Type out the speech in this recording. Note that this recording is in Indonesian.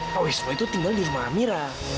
pak wisma itu tinggal di rumah amira